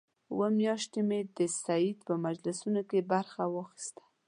اووه میاشتې مې د سید په مجلسونو کې برخه واخیسته.